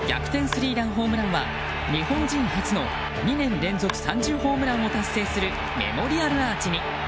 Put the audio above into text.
スリーランホームランは日本人初の２年連続３０ホームランを達成するメモリアルアーチに。